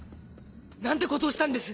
何てことをしたんです！